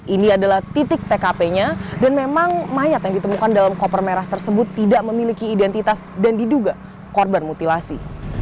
ini adalah titik tkp nya dan memang mayat yang ditemukan dalam koper merah tersebut tidak memiliki identitas dan diduga korban mutilasi